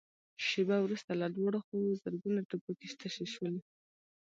شېبه وروسته له دواړو خواوو زرګونه ټوپکې تشې شوې.